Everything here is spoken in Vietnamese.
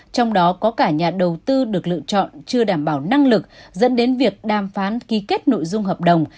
trong đó có cả nhà đầu tư được lựa chọn chưa đảm bảo năng lực dẫn đến việc đàm phán ký kết nội dung hợp đồng